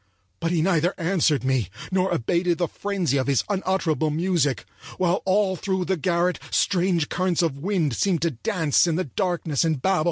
But he neither answered me nor abated the frenzy of his unutterable music, while all through the garret strange currents of wind seemed to dance in the darkness and babel.